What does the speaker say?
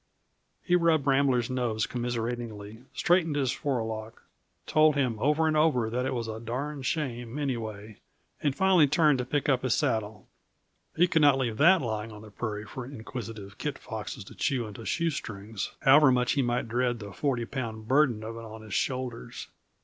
He rubbed Rambler's nose commiseratingly, straightened his forelock, told him over and over that it was a darned shame, anyway, and finally turned to pick up his saddle. He could not leave that lying on the prairie for inquisitive kit foxes to chew into shoestrings, however much he might dread the forty pound burden of it on his shoulders.